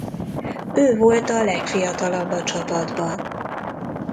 Ő volt a legfiatalabb a csapatban.